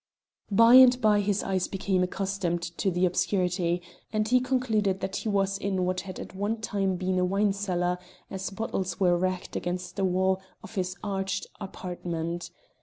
By and by his eyes became accustomed to the obscurity, and he concluded that he was in what had at one time been a wine cellar, as bottles were racked against the back wall of his arched apartment.